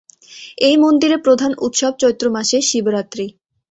এই মন্দিরে প্রধান উৎসব চৈত্র মাসের শিবরাত্রি।